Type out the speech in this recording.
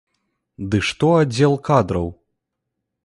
Ды што аддзел кадраў!